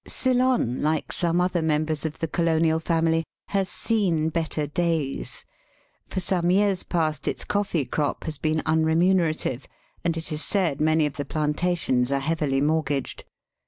Ceylon, like some other members of the colonial family, has seen better days. For some years past its coffee crop has been unremunerative, and it is said many of the plantations are heavily mortgaged.